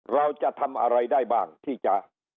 เราจะทำอะไรได้บ้างที่จะ